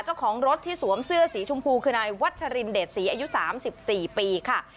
เจ้าของรถที่สวมเสื้อสีชมพูคือนายวัชรินเดชศรีอายุ๓๔ปีค่ะ